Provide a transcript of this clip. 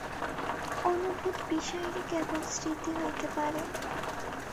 অনুভূত বিষয়েরই কেবল স্মৃতি হইতে পারে।